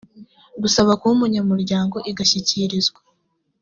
gusaba kuba umunyamuryango igashyikirizwa